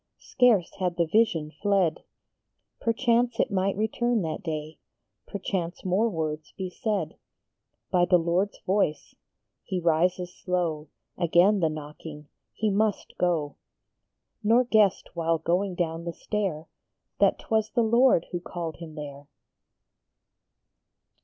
Scarce had the vision fled, Perchance it might return that day, Perchance more words be said By the Lord s voice ? he rises slow ; Again the knocking ; he must go ; Nor guessed, while going down the stair, That t was the Lord who called him there.